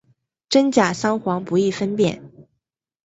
真假桑黄不易分辨。